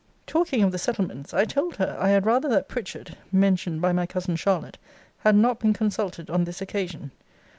Talking of the settlements, I told her I had rather that Pritchard (mentioned by my cousin Charlotte) had not been consulted on this occasion.